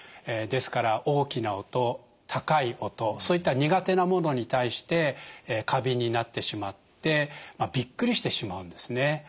ですから大きな音高い音そういった苦手なものに対して過敏になってしまってびっくりしてしまうんですね。